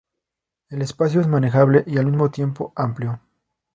El espacio es manejable y, al mismo tiempo, amplio.